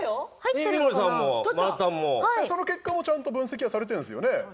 その結果もちゃんと分析されてるんですよね？